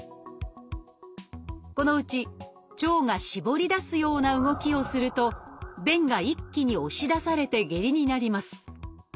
このうち腸が絞り出すような動きをすると便が一気に押し出されて下痢になります。